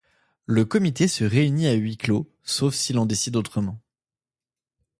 Le Comité se réunit à huis clos, sauf s’il en décide autrement.